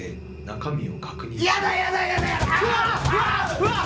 うわーっ！